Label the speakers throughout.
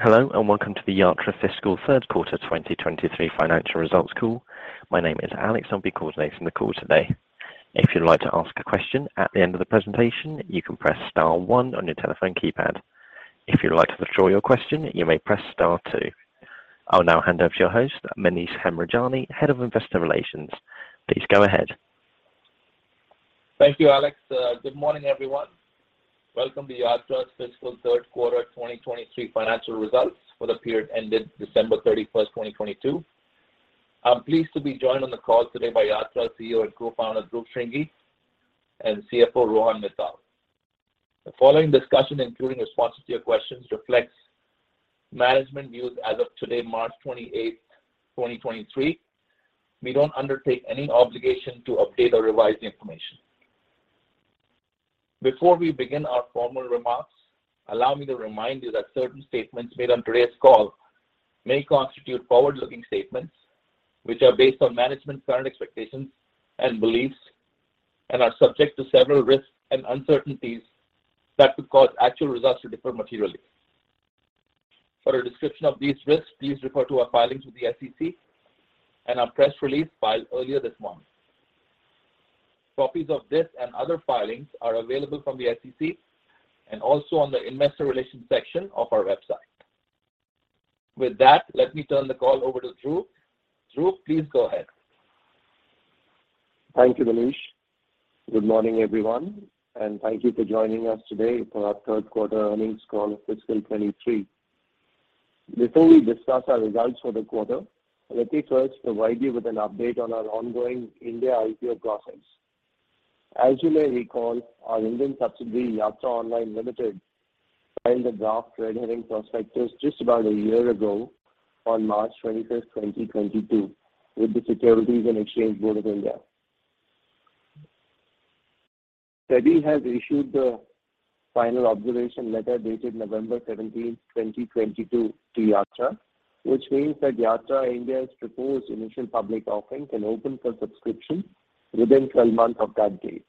Speaker 1: Hello, welcome to the Yatra fiscal third quarter 2023 financial results call. My name is Alex. I'll be coordinating the call today. If you'd like to ask a question at the end of the presentation, you can press star one on your telephone keypad. If you'd like to withdraw your question, you may press star two. I'll now hand over to your host, Manish Hemrajani, Head of Investor Relations. Please go ahead.
Speaker 2: Thank you, Alex. Good morning, everyone. Welcome to Yatra's fiscal 3rd quarter 2023 financial results for the period ended December 31st, 2022. I'm pleased to be joined on the call today by Yatra CEO and Co-Founder, Dhruv Shringi, and CFO, Rohan Mittal. The following discussion, including responses to your questions, reflects management views as of today, March 28th, 2023. We don't undertake any obligation to update or revise the information. Before we begin our formal remarks, allow me to remind you that certain statements made on today's call may constitute forward-looking statements, which are based on management's current expectations and beliefs and are subject to several risks and uncertainties that could cause actual results to differ materially. For a description of these risks, please refer to our filings with the SEC and our press release filed earlier this month. Copies of this and other filings are available from the SEC and also on the investor relations section of our website. With that, let me turn the call over to Dhruv. Dhruv, please go ahead.
Speaker 3: Thank you, Manish. Good morning, everyone, and thank you for joining us today for our third quarter earnings call of fiscal 23. Before we discuss our results for the quarter, let me first provide you with an update on our ongoing India IPO process. As you may recall, our Indian subsidiary, Yatra Online Limited, filed a draft red herring prospectus just about a year ago on March 25, 2022, with the Securities and Exchange Board of India. SEBI has issued the final observation letter dated November 17, 2022 to Yatra, which means that Yatra India's proposed initial public offering can open for subscription within 12 months of that date.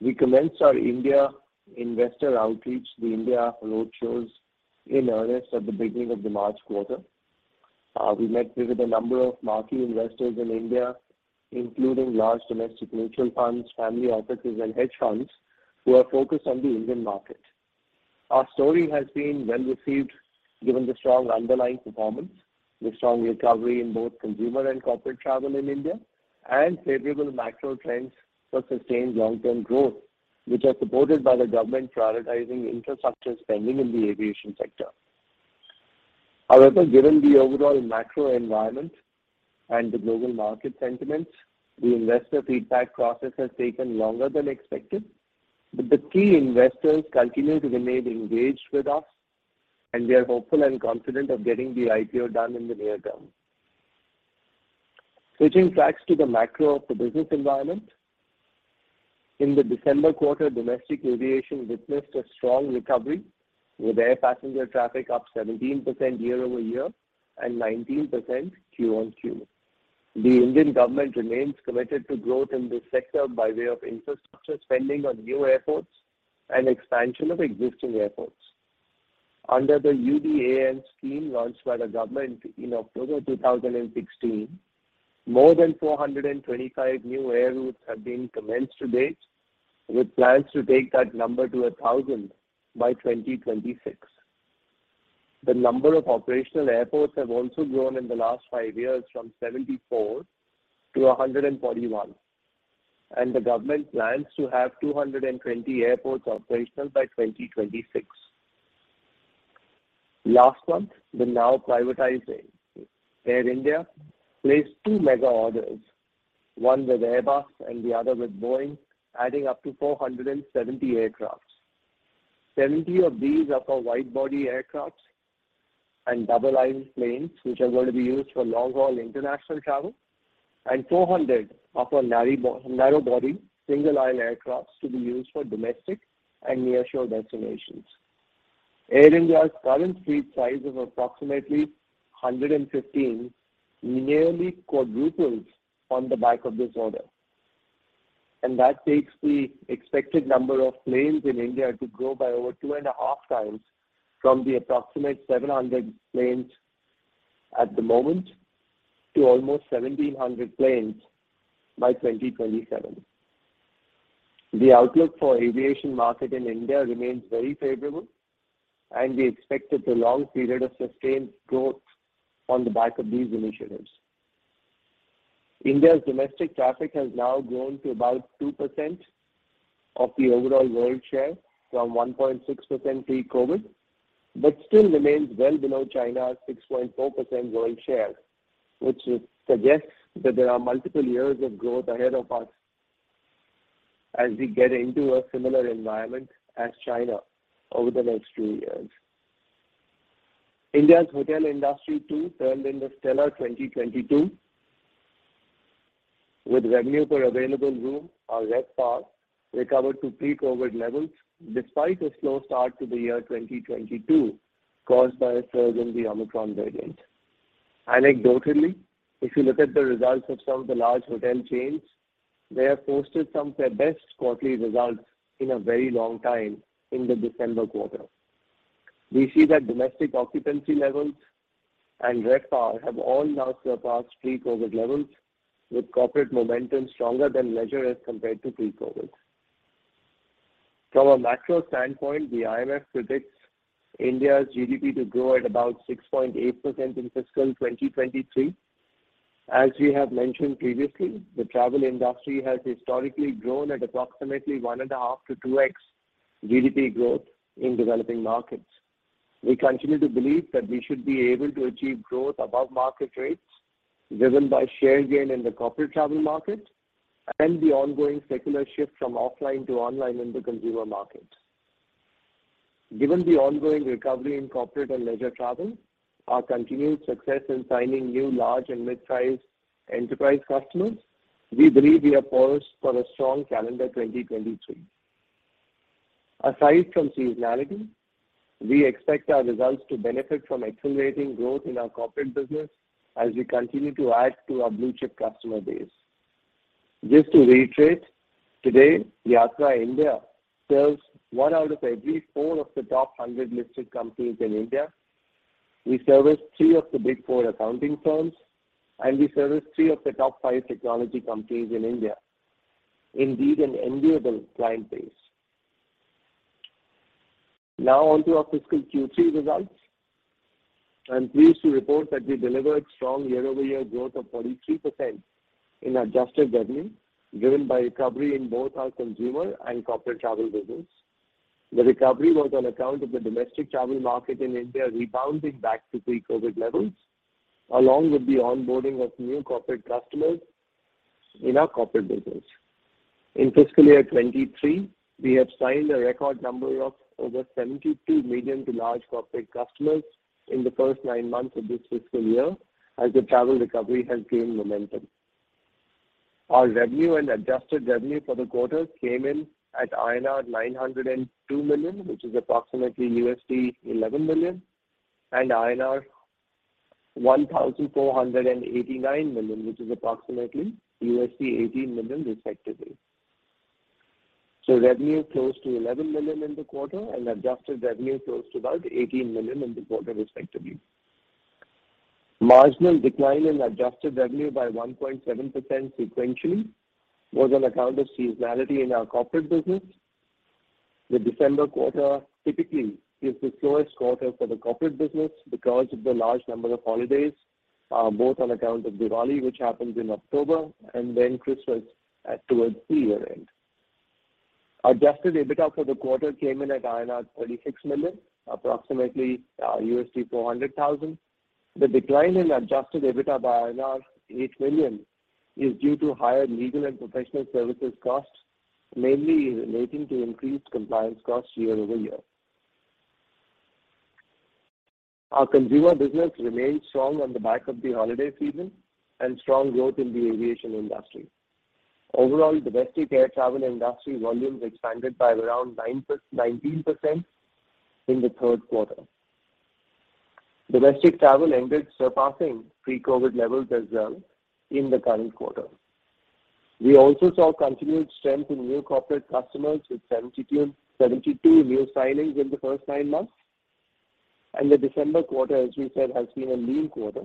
Speaker 3: We commenced our India investor outreach, the India roadshows in earnest at the beginning of the March quarter. We met with a number of marquee investors in India, including large domestic mutual funds, family offices and hedge funds who are focused on the Indian market. Our story has been well received given the strong underlying performance, the strong recovery in both consumer and corporate travel in India, and favorable macro trends for sustained long-term growth, which are supported by the government prioritizing infrastructure spending in the aviation sector. However, given the overall macro environment and the global market sentiments, the investor feedback process has taken longer than expected. The key investors continue to remain engaged with us, and we are hopeful and confident of getting the IPO done in the near term. Switching tracks to the macro of the business environment. In the December quarter, domestic aviation witnessed a strong recovery, with air passenger traffic up 17% year-over-year and 19% Q-on-Q. The Indian government remains committed to growth in this sector by way of infrastructure spending on new airports and expansion of existing airports. Under the UDAN scheme launched by the government in October 2016, more than 425 new air routes have been commenced to date, with plans to take that number to 1,000 by 2026. The number of operational airports have also grown in the last five years from 74 to 141, and the government plans to have 220 airports operational by 2026. Last month, the now privatizing Air India placed two mega orders, one with Airbus and the other with Boeing, adding up to 470 aircrafts. 70 of these are for wide-body aircrafts and double-aisle planes, which are going to be used for long-haul international travel, and 400 are for narrow-body single-aisle aircrafts to be used for domestic and nearshore destinations. Air India's current fleet size of approximately 115 nearly quadruples on the back of this order, and that takes the expected number of planes in India to grow by over 2.5 times from the approximate 700 planes at the moment to almost 1,700 planes by 2027. The outlook for aviation market in India remains very favorable, and we expected a long period of sustained growth on the back of these initiatives. India's domestic traffic has now grown to about 2% of the overall world share from 1.6% pre-COVID, but still remains well below China's 6.4% world share, which suggests that there are multiple years of growth ahead of us as we get into a similar environment as China over the next few years. India's hotel industry too turned in a stellar 2022, with revenue per available room or RevPAR recovered to pre-COVID levels despite a slow start to the year 2022 caused by a surge in the Omicron variant. Anecdotally, if you look at the results of some of the large hotel chains, they have posted some of their best quarterly results in a very long time in the December quarter. We see that domestic occupancy levels and RevPAR have all now surpassed pre-COVID levels, with corporate momentum stronger than leisure as compared to pre-COVID. From a macro standpoint, the IMF predicts India's GDP to grow at about 6.8% in fiscal 2023. As we have mentioned previously, the travel industry has historically grown at approximately 1.5x to 2x GDP growth in developing markets. We continue to believe that we should be able to achieve growth above market rates, driven by share gain in the corporate travel market and the ongoing secular shift from offline to online in the consumer market. Given the ongoing recovery in corporate and leisure travel, our continued success in signing new large and mid-sized enterprise customers, we believe we are poised for a strong calendar 2023. Aside from seasonality, we expect our results to benefit from accelerating growth in our corporate business as we continue to add to our blue-chip customer base. Just to reiterate, today Yatra India serves one out of every four of the top 100 listed companies in India. We service three of the Big Four accounting firms. We service three of the top five technology companies in India. Indeed, an enviable client base. On to our fiscal Q3 results. I'm pleased to report that we delivered strong year-over-year growth of 43% in adjusted revenue, driven by recovery in both our consumer and corporate travel business. The recovery was on account of the domestic travel market in India rebounding back to pre-COVID levels, along with the onboarding of new corporate customers in our corporate business. In fiscal year 23, we have signed a record number of over 72 medium to large corporate customers in the first nine months of this fiscal year, as the travel recovery has gained momentum. Our revenue and adjusted revenue for the quarter came in at INR 902 million, which is approximately $11 million, and INR 1,489 million, which is approximately $18 million respectively. Revenue close to $11 million in the quarter and adjusted revenue close to about $18 million in the quarter respectively. Marginal decline in adjusted revenue by 1.7% sequentially was on account of seasonality in our corporate business. The December quarter typically is the slowest quarter for the corporate business because of the large number of holidays, both on account of Diwali, which happens in October, and then Christmas towards the year-end. Adjusted EBITDA for the quarter came in at INR 36 million, approximately, $400 thousand. The decline in adjusted EBITDA by 8 million is due to higher legal and professional services costs, mainly relating to increased compliance costs year-over-year. Our consumer business remained strong on the back of the holiday season and strong growth in the aviation industry. Overall, domestic air travel industry volumes expanded by around 19% in the third quarter. Domestic travel ended surpassing pre-COVID levels as well in the current quarter. We also saw continued strength in new corporate customers with 72 new signings in the first nine months. The December quarter, as we said, has been a lean quarter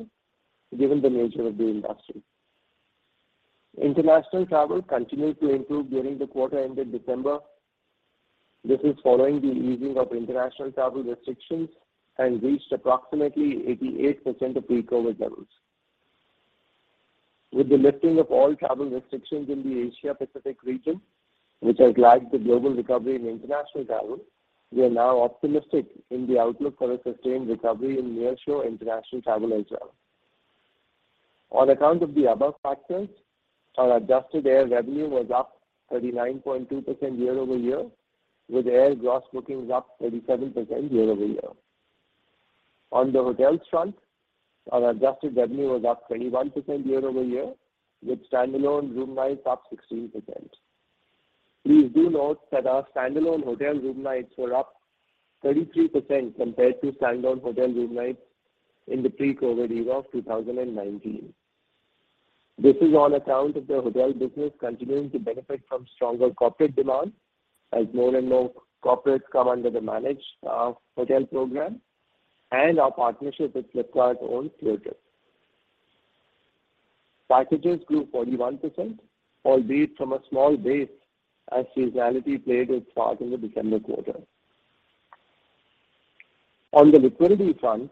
Speaker 3: given the nature of the industry. International travel continued to improve during the quarter ended December. This is following the easing of international travel restrictions and reached approximately 88% of pre-COVID levels. With the lifting of all travel restrictions in the Asia Pacific region, which has lagged the global recovery in international travel, we are now optimistic in the outlook for a sustained recovery in near-shore international travel as well. On account of the above factors, our adjusted air revenue was up 39.2% year-over-year, with air gross bookings up 37% year-over-year. On the hotel front, our adjusted revenue was up 21% year-over-year, with standalone room nights up 16%. Please do note that our standalone hotel room nights were up 33% compared to standalone hotel room nights in the pre-COVID era of 2019. This is on account of the hotel business continuing to benefit from stronger corporate demand as more and more corporates come under the managed, hotel program and our partnership with Flipkart's own Cleartrip. Packages grew 41%, albeit from a small base as seasonality played its part in the December quarter. On the liquidity front,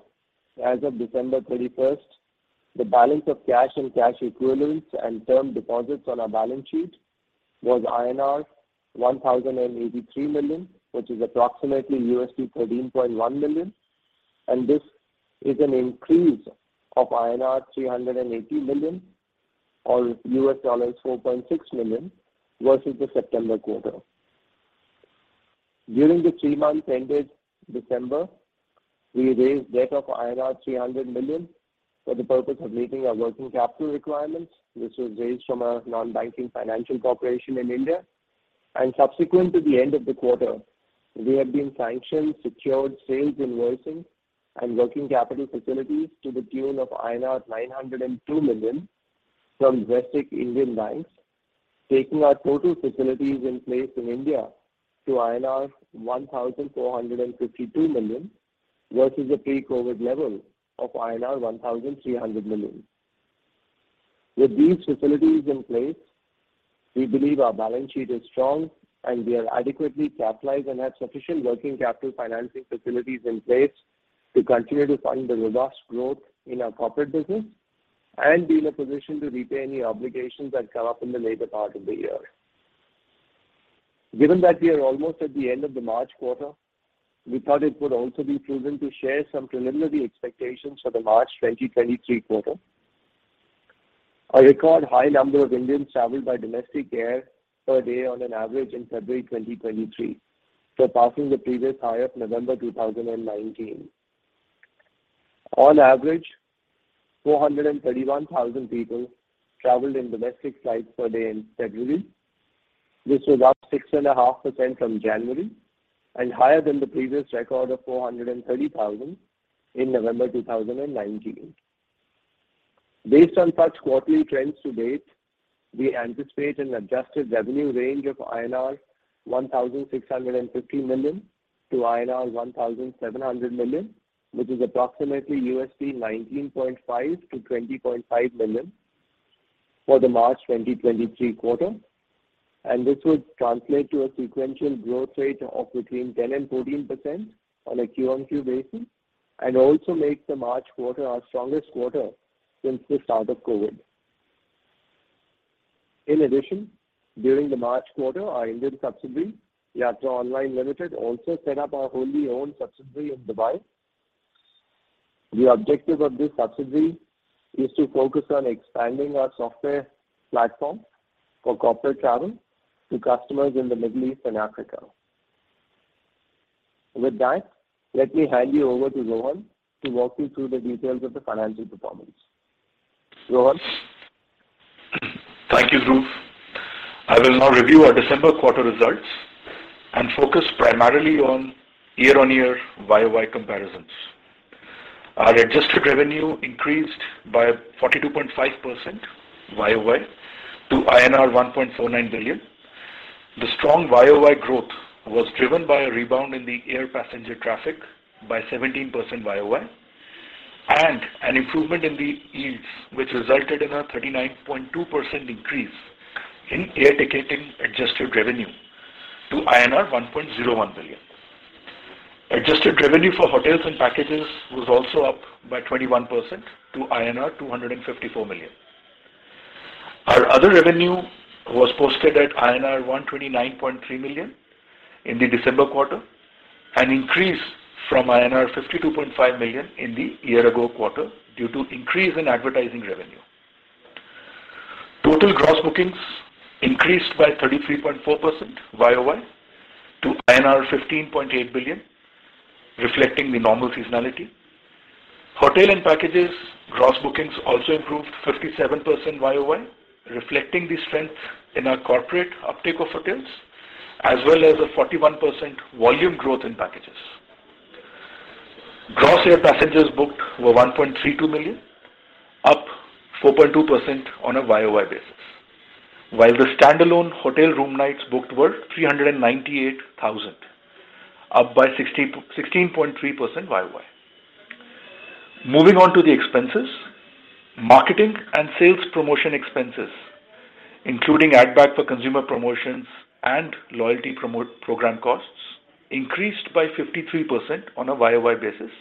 Speaker 3: as of December 31st, the balance of cash and cash equivalents and term deposits on our balance sheet was INR 1,083 million, which is approximately $13.1 million. This is an increase of INR 380 million or $4.6 million versus the September quarter. During the three months ended December, we raised debt of 300 million for the purpose of meeting our working capital requirements, which was raised from a Non-Banking Financial Corporation in India. Subsequent to the end of the quarter, we have been sanctioned, secured sales invoicing and working capital facilities to the tune of INR 902 million from Leading Indian Banks, taking our total facilities in place in India to INR 1,452 million versus the pre-COVID level of INR 1,300 million. With these facilities in place, we believe our balance sheet is strong and we are adequately capitalized and have sufficient working capital financing facilities in place to continue to fund the robust growth in our corporate business and be in a position to repay any obligations that come up in the later part of the year. Given that we are almost at the end of the March quarter, we thought it would also be prudent to share some preliminary expectations for the March 2023 quarter. A record high number of Indians travel by domestic air per day on an average in February 2023, surpassing the previous high of November 2019. On average, 431,000 people traveled in domestic flights per day in February. This was up 6.5% from January and higher than the previous record of 430,000 in November 2019. Based on such quarterly trends to date, we anticipate an adjusted revenue range of 1,650 million-1,700 million INR, which is approximately $19.5 million-$20.5 million for the March 2023 quarter. This would translate to a sequential growth rate of between 10% and 14% on a QoQ basis, and also make the March quarter our strongest quarter since the start of COVID. In addition, during the March quarter, our Indian subsidiary, Yatra Online Limited, also set up our wholly owned subsidiary in Dubai. The objective of this subsidiary is to focus on expanding our software platform for corporate travel to customers in the Middle East and Africa. With that, let me hand you over to Rohan to walk you through the details of the financial performance. Rohan?
Speaker 4: Thank you, Dhruv. I will now review our December quarter results and focus primarily on year-on-year YOY comparisons. Our adjusted revenue increased by 42.5% YOY to INR 1.49 billion. The strong YOY growth was driven by a rebound in the air passenger traffic by 17% YOY and an improvement in the yields, which resulted in a 39.2% increase in air ticketing adjusted revenue to INR 1.01 billion. Adjusted revenue for hotels and packages was also up by 21% to INR 254 million. Our other revenue was posted at INR 129.3 million in the December quarter, an increase from INR 52.5 million in the year ago quarter due to increase in advertising revenue. Total gross bookings increased by 33.4% YOY to INR 15.8 billion, reflecting the normal seasonality. Hotel and packages gross bookings also improved 57% YOY, reflecting the strength in our corporate uptake of hotels as well as a 41% volume growth in packages. Gross air passengers booked were 1.32 million, up 4.2% on a YOY basis, while the standalone hotel room nights booked were 398,000, up by 16.3% YOY. Moving on to the expenses. Marketing and sales promotion expenses, including ad buy for consumer promotions and loyalty promo-program costs, increased by 53% on a YOY basis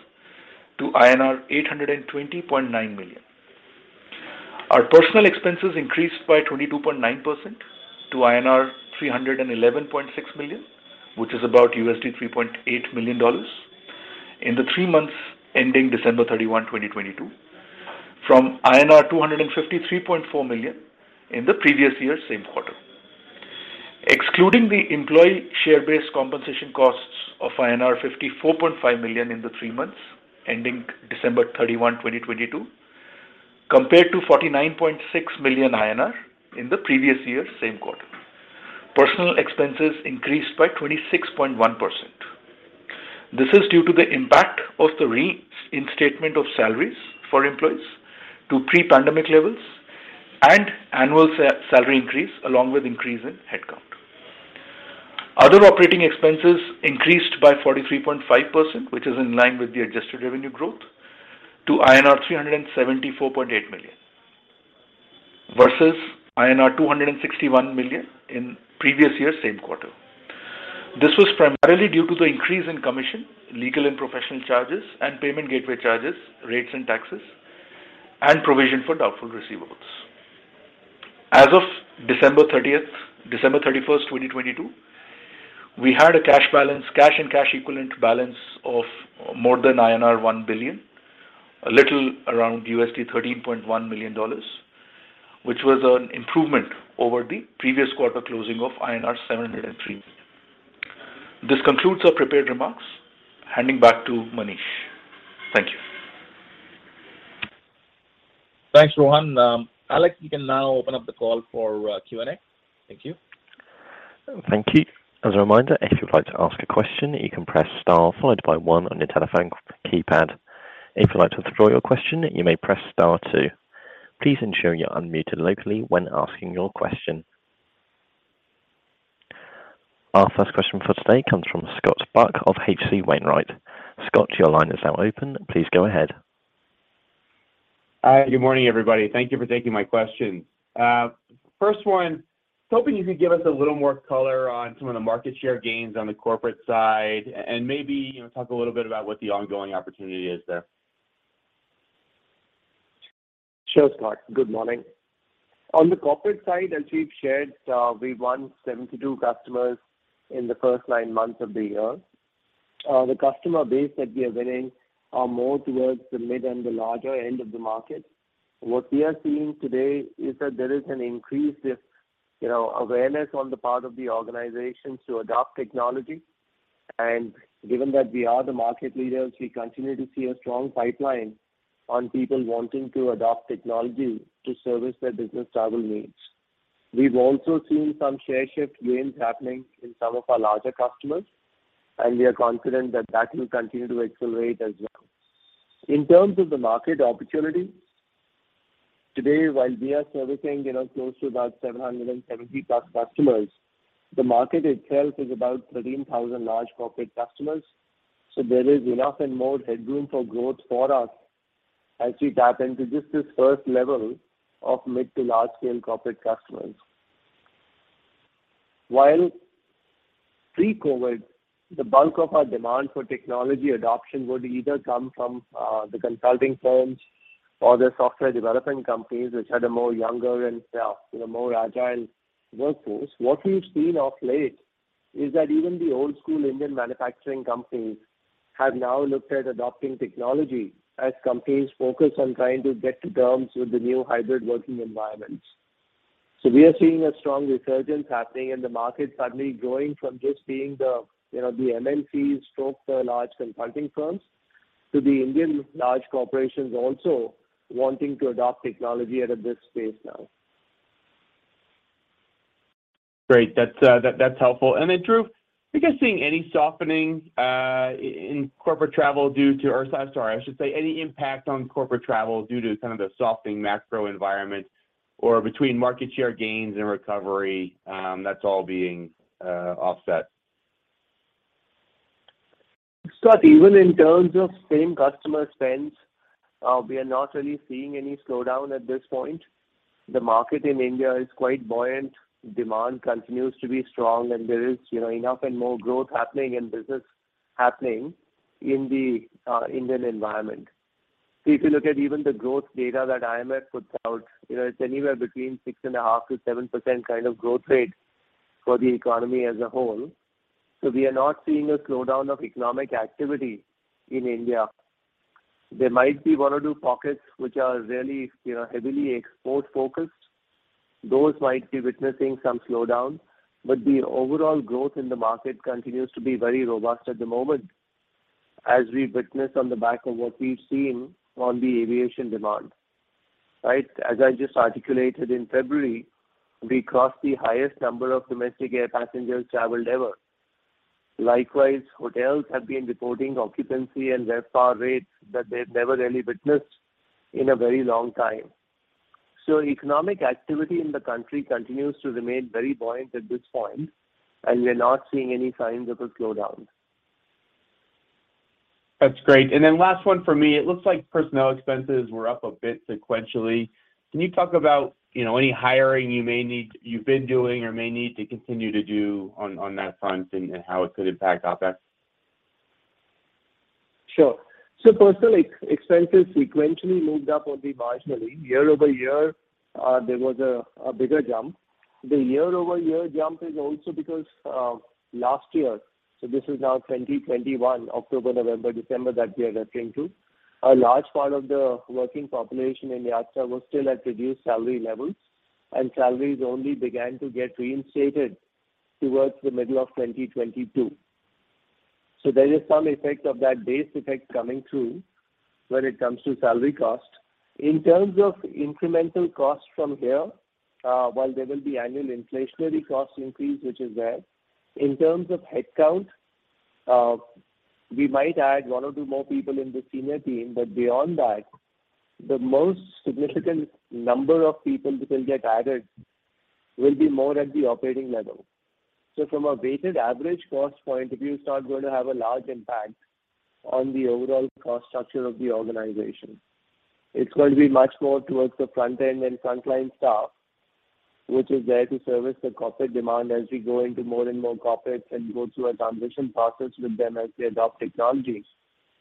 Speaker 4: to INR 820.9 million. Our personal expenses increased by 22.9% to INR 311.6 million, which is about $3.8 million in the three months ending December 31, 2022, from INR 253.4 million in the previous year same quarter. Excluding the employee share-based compensation costs of INR 54.5 million in the three months ending December 31, 2022, compared to 49.6 million INR in the previous year same quarter. Personal expenses increased by 26.1%. This is due to the impact of the re-instatement of salaries for employees to pre-pandemic levels and annual salary increase along with increase in headcount. Other operating expenses increased by 43.5%, which is in line with the adjusted revenue growth, to INR 374.8 million, versus INR 261 million in previous year same quarter. This was primarily due to the increase in commission, legal and professional charges and payment gateway charges, rates and taxes, and provision for doubtful receivables. As of December 31, 2022, we had a cash and cash equivalent balance of more than INR 1 billion, a little around $13.1 million, which was an improvement over the previous quarter closing of INR 703 million. This concludes our prepared remarks. Handing back to Manish. Thank you.
Speaker 2: Thanks, Rohan. Alex, you can now open up the call for Q&A. Thank you.
Speaker 1: Thank you. As a reminder, if you'd like to ask a question, you can press star followed by one on your telephone keypad. If you'd like to withdraw your question, you may press star two. Please ensure you're unmuted locally when asking your question. Our first question for today comes from Scott Buck of H.C. Wainwright. Scott, your line is now open. Please go ahead.
Speaker 5: Hi. Good morning, everybody. Thank you for taking my question. First one, hoping you could give us a little more color on some of the market share gains on the corporate side and maybe, you know, talk a little bit about what the ongoing opportunity is there.
Speaker 3: Sure, Scott. Good morning. On the corporate side, as we've shared, we've won 72 customers in the first nine months of the year. The customer base that we are winning are more towards the mid and the larger end of the market. What we are seeing today is that there is an increase with, you know, awareness on the part of the organization to adopt technology. Given that we are the market leaders, we continue to see a strong pipeline on people wanting to adopt technology to service their business travel needs. We've also seen some share shift gains happening in some of our larger customers, we are confident that that will continue to accelerate as well. In terms of the market opportunity, today, while we are servicing, you know, close to about 770+ customers, the market itself is about 13,000 large corporate customers. There is enough and more headroom for growth for us as we tap into just this first level of mid to large scale corporate customers. While pre-COVID, the bulk of our demand for technology adoption would either come from the consulting firms or the software development companies which had a more younger and, you know, more agile workforce. What we've seen of late is that even the old school Indian manufacturing companies have now looked at adopting technology as companies focus on trying to get to terms with the new hybrid working environments. We are seeing a strong resurgence happening in the market, suddenly going from just being the, you know, the MNCs stroke, the large consulting firms to the Indian large corporations also wanting to adopt technology at a brisk pace now.
Speaker 5: Great. That's, that's helpful. Then, Dhruv, are you guys seeing any softening, in corporate travel due to. Sorry, I should say any impact on corporate travel due to kind of the softening macro environment or between market share gains and recovery, that's all being, offset?
Speaker 3: Scott, even in terms of same customer spends, we are not really seeing any slowdown at this point. The market in India is quite buoyant. Demand continues to be strong, and there is, you know, enough and more growth happening and business happening in the Indian environment. If you look at even the growth data that IMF puts out, you know, it's anywhere between 6.5%-7% kind of growth rate for the economy as a whole. We are not seeing a slowdown of economic activity in India. There might be one or two pockets which are really, you know, heavily export-focused. Those might be witnessing some slowdown, but the overall growth in the market continues to be very robust at the moment as we witness on the back of what we've seen on the aviation demand, right? I just articulated in February, we crossed the highest number of domestic air passengers traveled ever. Hotels have been reporting occupancy and RevPAR rates that they've never really witnessed in a very long time. Economic activity in the country continues to remain very buoyant at this point, and we are not seeing any signs of a slowdown.
Speaker 5: That's great. Then last one for me. It looks like personnel expenses were up a bit sequentially. Can you talk about, you know, any hiring you've been doing or may need to continue to do on that front and how it could impact OpEx?
Speaker 3: Sure. Personnel ex-expenses sequentially moved up only marginally. Year-over-year, there was a bigger jump. The year-over-year jump is also because last year, so this is now 2021, October, November, December that we are referring to. A large part of the working population in Yatra was still at reduced salary levels, and salaries only began to get reinstated towards the middle of 2022. There is some effect of that base effect coming through when it comes to salary cost. In terms of incremental cost from here, while there will be annual inflationary cost increase, which is there. In terms of headcount, we might add one or two more people in the senior team, but beyond that, the most significant number of people that will get added will be more at the operating level. From a weighted average cost point of view, it's not going to have a large impact on the overall cost structure of the organization. It's going to be much more towards the front end and front line staff, which is there to service the corporate demand. As we go into more and more corporates and go through a transition process with them as they adopt technologies,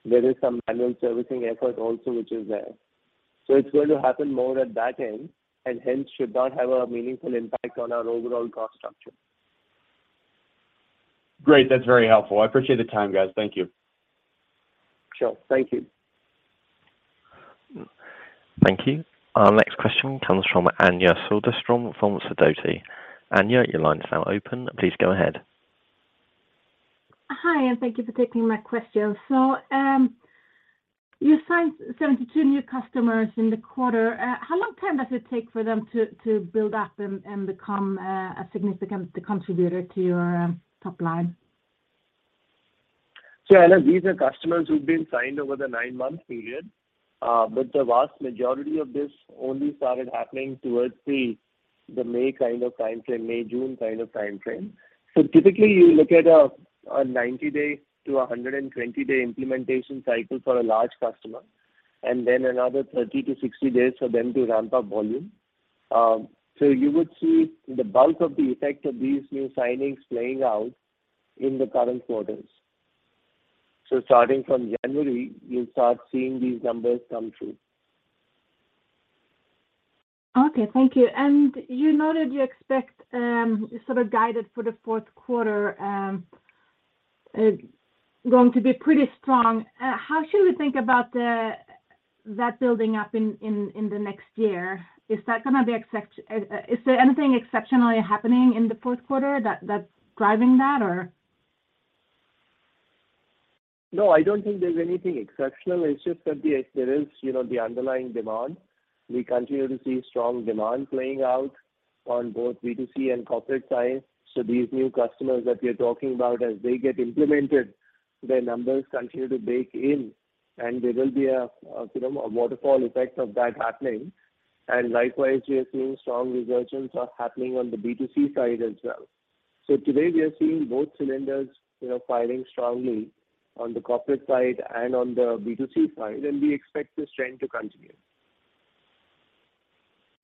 Speaker 3: there is some annual servicing effort also which is there. It's going to happen more at that end and hence should not have a meaningful impact on our overall cost structure.
Speaker 5: Great. That's very helpful. I appreciate the time, guys. Thank you.
Speaker 3: Sure. Thank you.
Speaker 1: Thank you. Our next question comes from Anja Soderstrom from Sidoti & Company. Anja, your line is now open. Please go ahead.
Speaker 6: Hi, and thank you for taking my question. You signed 72 new customers in the quarter. How long time does it take for them to build up and become a significant contributor to your top line?
Speaker 3: Anja, these are customers who've been signed over the nine-month period, but the vast majority of this only started happening towards the May kind of timeframe. May, June kind of timeframe. Typically you look at a 90-day to a 120-day implementation cycle for a large customer, and then another 30 to 60 days for them to ramp up volume. You would see the bulk of the effect of these new signings playing out in the current quarters. Starting from January, you'll start seeing these numbers come through.
Speaker 6: Okay. Thank you. You noted you expect, sort of guided for the fourth quarter, going to be pretty strong. How should we think about that building up in the next year? Is there anything exceptionally happening in the fourth quarter that's driving that or?
Speaker 3: No, I don't think there's anything exceptional. It's just that there is, you know, the underlying demand. We continue to see strong demand playing out on both B2C and corporate side. These new customers that we are talking about, as they get implemented, their numbers continue to bake in, and there will be a, you know, a waterfall effect of that happening. Likewise, we are seeing strong resurgence are happening on the B2C side as well. Today we are seeing both cylinders, you know, firing strongly on the corporate side and on the B2C side, and we expect this trend to continue.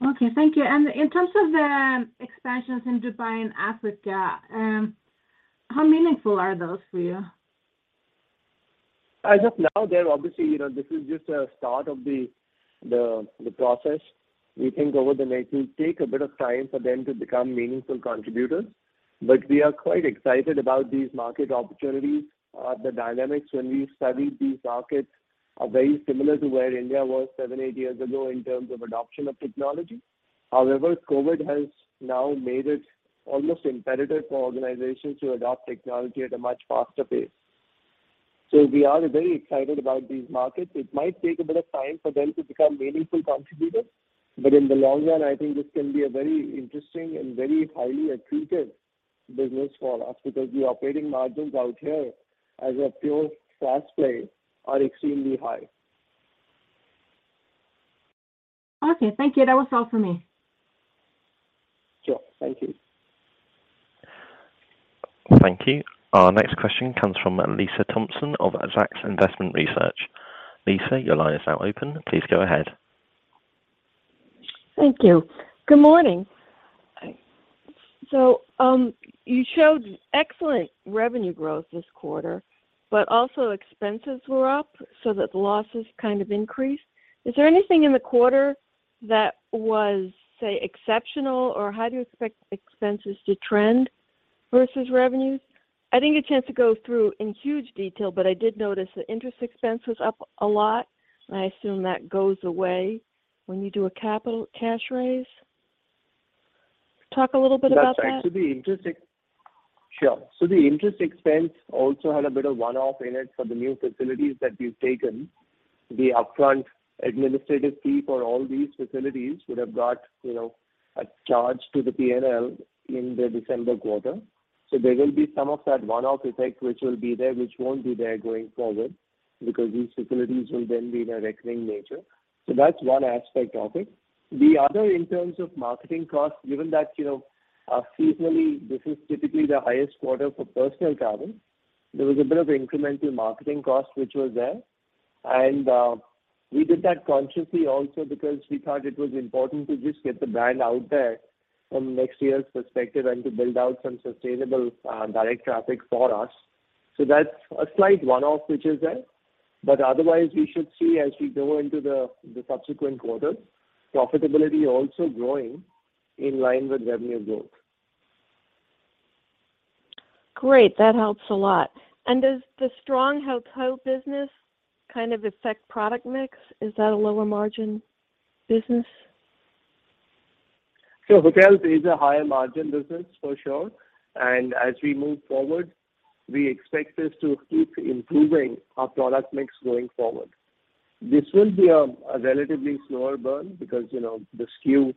Speaker 6: Okay, thank you. In terms of the expansions in Dubai and Africa, how meaningful are those for you?
Speaker 3: As of now, they're obviously, you know, this is just a start of the process. It will take a bit of time for them to become meaningful contributors. We are quite excited about these market opportunities. The dynamics when we studied these markets are very similar to where India was seven, eight years ago in terms of adoption of technology. However, COVID has now made it almost imperative for organizations to adopt technology at a much faster pace. We are very excited about these markets. It might take a bit of time for them to become meaningful contributors, but in the long run, I think this can be a very interesting and very highly accretive business for us because the operating margins out here as a pure SaaS play are extremely high.
Speaker 6: Okay, thank you. That was all for me.
Speaker 3: Sure. Thank you.
Speaker 1: Thank you. Our next question comes from Lisa Thompson of Zacks Investment Research. Lisa, your line is now open. Please go ahead.
Speaker 7: Thank you. Good morning. You showed excellent revenue growth this quarter, but also expenses were up so that the losses kind of increased. Is there anything in the quarter that was, say, exceptional, or how do you expect expenses to trend versus revenues? I didn't get a chance to go through in huge detail, but I did notice the interest expense was up a lot. I assume that goes away when you do a capital cash raise. Talk a little bit about that.
Speaker 3: That's right. The interest expense also had a bit of one-off in it for the new facilities that we've taken. The upfront administrative fee for all these facilities would have got, you know, a charge to the PNL in the December quarter. There will be some of that one-off effect, which will be there, which won't be there going forward because these facilities will then be in a recurring nature. That's one aspect of it. The other in terms of marketing costs, given that, you know, seasonally this is typically the highest quarter for personal travel, there was a bit of incremental marketing cost which was there. We did that consciously also because we thought it was important to just get the brand out there from next year's perspective and to build out some sustainable direct traffic for us. That's a slight one-off, which is there. Otherwise we should see as we go into the subsequent quarters, profitability also growing in line with revenue growth.
Speaker 7: Great. That helps a lot. Does the strong hotel business kind of affect product mix? Is that a lower margin business?
Speaker 3: Hotels is a higher margin business for sure. As we move forward, we expect this to keep improving our product mix going forward. This will be a relatively slower burn because, you know, the skew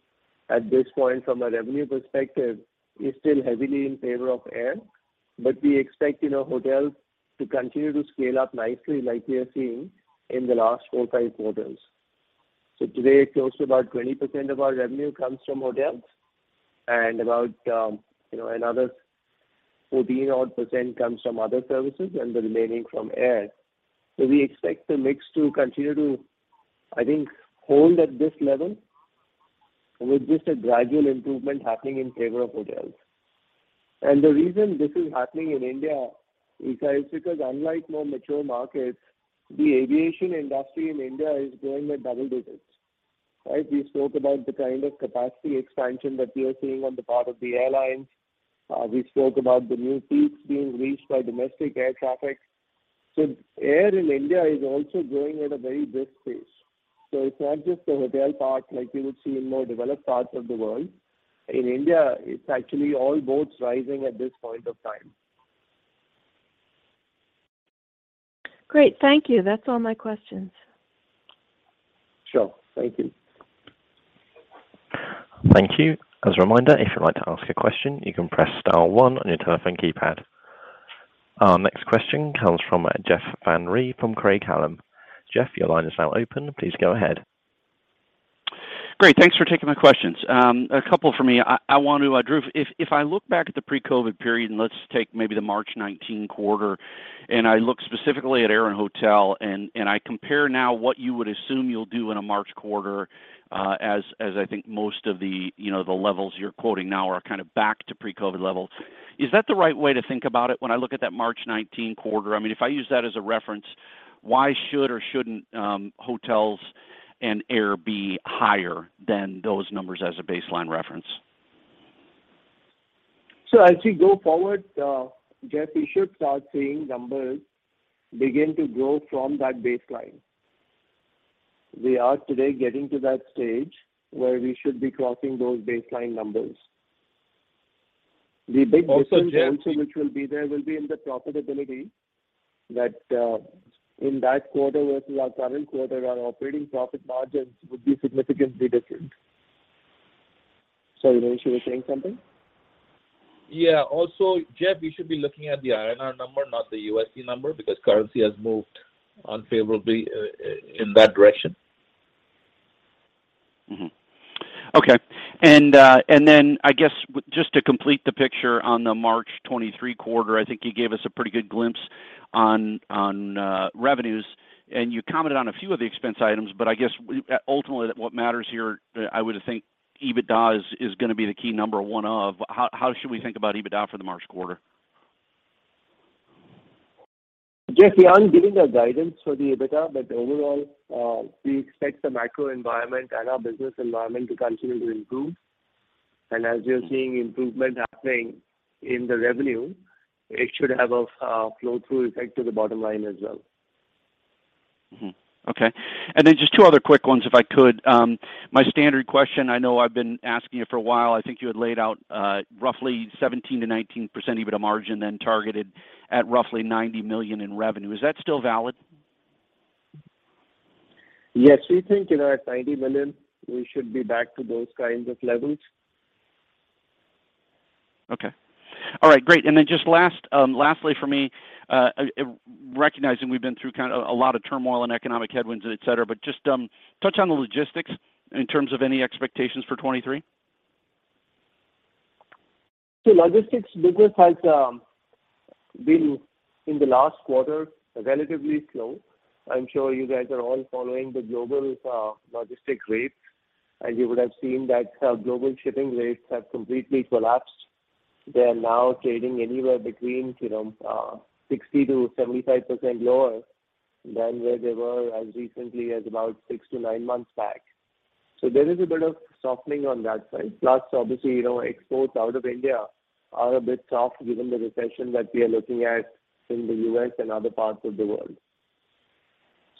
Speaker 3: at this point from a revenue perspective is still heavily in favor of air. We expect, you know, hotels to continue to scale up nicely like we are seeing in the last four, five quarters. Today, close to about 20% of our revenue comes from hotels and about, you know, another 14% odd comes from other services and the remaining from air. We expect the mix to continue to, I think, hold at this level with just a gradual improvement happening in favor of hotels. The reason this is happening in India is because unlike more mature markets, the aviation industry in India is growing at double digits, right. We spoke about the kind of capacity expansion that we are seeing on the part of the airlines. We spoke about the new peaks being reached by domestic air traffic. Air in India is also growing at a very brisk pace. It's not just the hotel part like you would see in more developed parts of the world. In India, it's actually all boats rising at this point of time.
Speaker 7: Great. Thank you. That's all my questions.
Speaker 3: Sure. Thank you.
Speaker 1: Thank you. As a reminder, if you'd like to ask a question, you can press star one on your telephone keypad. Our next question comes from Jeff Van Rhee from Craig-Hallum. Jeff, your line is now open. Please go ahead.
Speaker 8: Great. Thanks for taking my questions. A couple for me. Dhruv, if I look back at the pre-COVID period, and let's take maybe the March 19 quarter, and I look specifically at air and hotel and I compare now what you would assume you'll do in a March quarter, as I think most of the, you know, the levels you're quoting now are kind of back to pre-COVID levels. Is that the right way to think about it when I look at that March 19 quarter? I mean, if I use that as a reference, why should or shouldn't hotels and air be higher than those numbers as a baseline reference?
Speaker 3: As we go forward, Jeff, we should start seeing numbers begin to grow from that baseline. We are today getting to that stage where we should be crossing those baseline numbers. The big difference also which will be there will be in the profitability that, in that quarter versus our current quarter, our operating profit margins would be significantly different. Sorry, Manish, you were saying something?
Speaker 2: Yeah. Also, Jeff, you should be looking at the INR number, not the USD number, because currency has moved unfavorably in that direction.
Speaker 8: Okay. I guess just to complete the picture on the March 2023 quarter, I think you gave us a pretty good glimpse on revenues, and you commented on a few of the expense items. I guess ultimately what matters here, I would think EBITDA is gonna be the key number one of. How should we think about EBITDA for the March quarter?
Speaker 3: Jeff, we aren't giving a guidance for the EBITDA. Overall, we expect the macro environment and our business environment to continue to improve. As you're seeing improvement happening in the revenue, it should have a flow-through effect to the bottom line as well.
Speaker 8: Okay. Just two other quick ones, if I could. My standard question, I know I've been asking it for a while. I think you had laid out, roughly 17%-19% EBITDA margin, then targeted at roughly 90 million in revenue. Is that still valid?
Speaker 3: Yes. We think, you know, at 90 million we should be back to those kinds of levels.
Speaker 8: Okay. All right. Great. Just last, lastly for me, recognizing we've been through kind of a lot of turmoil and economic headwinds, et cetera, but just touch on the logistics in terms of any expectations for 23.
Speaker 3: Logistics business has been in the last quarter relatively slow. I'm sure you guys are all following the global logistics rates, and you would have seen that global shipping rates have completely collapsed. They are now trading anywhere between, you know, 60%-75% lower than where they were as recently as about six to nine months back. There is a bit of softening on that side. Plus, obviously, you know, exports out of India are a bit soft given the recession that we are looking at in the U.S. and other parts of the world.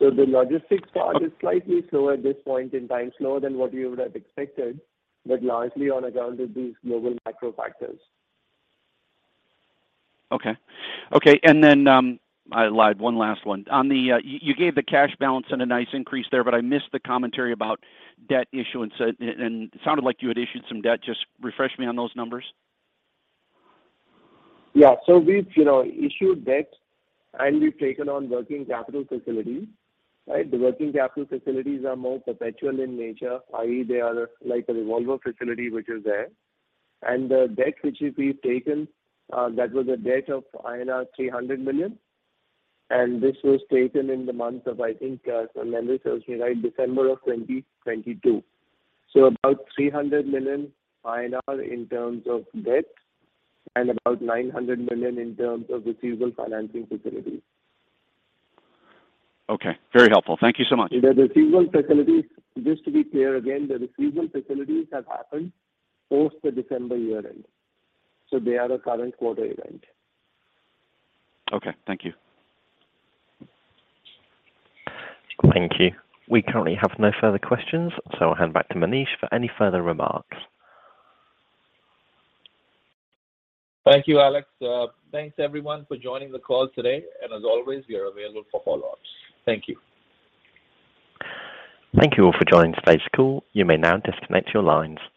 Speaker 3: The logistics part is slightly slower at this point in time, slower than what we would have expected, but largely on account of these global macro factors.
Speaker 8: Okay. Okay. Then, I lied, one last one. On the, you gave the cash balance and a nice increase there, but I missed the commentary about debt issuance. And it sounded like you had issued some debt. Just refresh me on those numbers.
Speaker 3: Yeah. We've, you know, issued debt, and we've taken on working capital facilities, right? The working capital facilities are more perpetual in nature, i.e., they are like a revolver facility which is there. The debt which we've taken, that was a debt of INR 300 million, and this was taken in the month of, I think, Sandeep tells me, right, December of 2022. About 300 million INR in terms of debt and about 900 million in terms of receivable financing facilities.
Speaker 8: Okay. Very helpful. Thank you so much.
Speaker 3: The receivable facilities, just to be clear again, the receivable facilities have happened post the December year-end, so they are a current quarter event.
Speaker 8: Okay. Thank you.
Speaker 1: Thank you. We currently have no further questions, so I'll hand back to Manish for any further remarks.
Speaker 2: Thank you, Alex. Thanks everyone for joining the call today. As always, we are available for follow-ups. Thank you.
Speaker 1: Thank you all for joining today's call. You may now disconnect your lines.